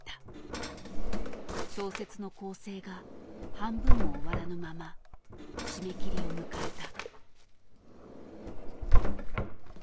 小説の校正が半分も終わらぬまま締め切りを迎えた。